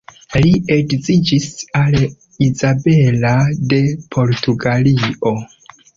Li edziĝis al Izabela de Portugalio.